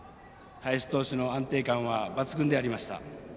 林投手の安定感は抜群でありました。